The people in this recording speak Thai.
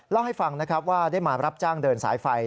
เล่าให้ฟังนะครับว่าได้มารับจ้างเดินสายไฟ